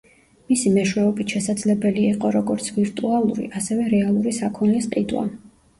მისი მეშვეობით შესაძლებელი იყო როგორც ვირტუალური, ასევე რეალური საქონლის ყიდვა.